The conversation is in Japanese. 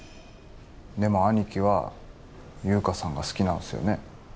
でも兄貴は優香さんが好きなんですよね？